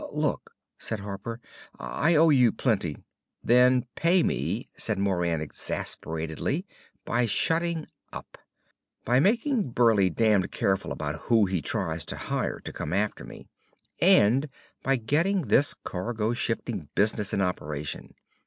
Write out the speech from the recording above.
"Look!" said Harper. "I owe you plenty ." "Then pay me," said Moran, exasperatedly, "by shutting up! By making Burleigh damned careful about who he tries to hire to come after me! And by getting this cargo shifting business in operation!